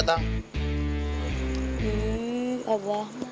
kalian gak denger abad datang